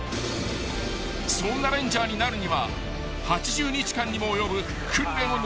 ［そんなレンジャーになるには８０日間にも及ぶ訓練を乗り切ることが必須条件］